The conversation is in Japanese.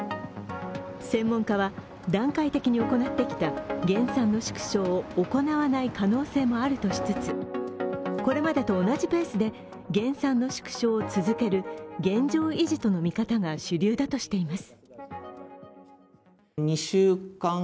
専門家は段階的に行ってきた減産の縮小を行わない可能性もあるとしつつ、これまでと同じペースで減産の縮小を続ける現状維持との見方が主流だとしています。